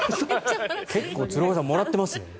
結構、鶴岡さんもらってますね。